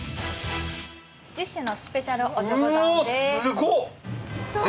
１０種のスペシャルおちょこ丼です。